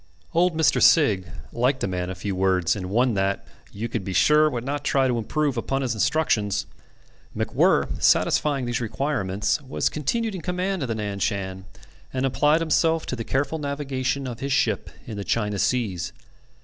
Old Mr. Sigg liked a man of few words, and one that "you could be sure would not try to improve upon his instructions." MacWhirr satisfying these requirements, was continued in command of the Nan Shan, and applied himself to the careful navigation of his ship in the China seas.